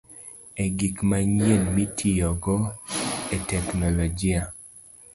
E gik manyien mitiyogo e teknoloji.